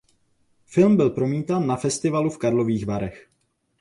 Film byl promítán na festivalu v Karlových Varech.